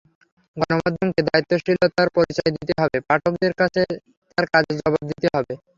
গণমাধ্যমকে দায়িত্বশীলতার পরিচয় দিতে হবে, পাঠকের কাছে তার কাজের জবাব দিতে হবে।